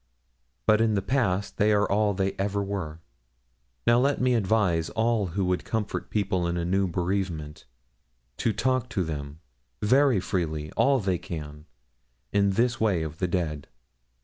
But in the past they are all they ever were. Now let me advise all who would comfort people in a new bereavement to talk to them, very freely, all they can, in this way of the dead.